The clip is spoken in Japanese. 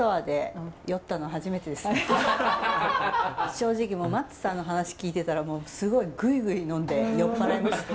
正直ＭＡＴＳＵさんの話聞いてたらもうすごいグイグイ呑んで酔っ払いました。